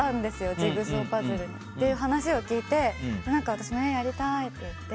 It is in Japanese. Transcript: ジグソーパズルに。っていう話を聞いて私も、へー、やりたいって言って。